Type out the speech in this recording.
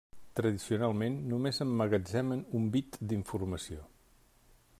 Tradicionalment només emmagatzemen un bit d'informació.